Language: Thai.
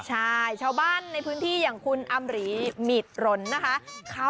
ใช่ชาวบ้านในพื้นที่อย่างคุณอำรีหมิดรนนะคะ